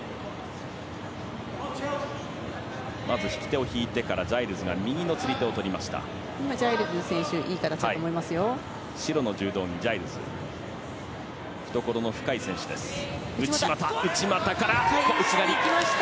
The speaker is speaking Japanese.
まず、引き手を引いてからジャイルズが右の釣り手をとりました。